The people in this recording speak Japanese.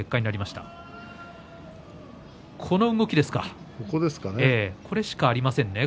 そこしかありませんね。